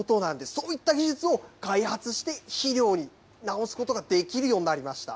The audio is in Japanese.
そういった技術を開発して、肥料に直すことができるようになりました。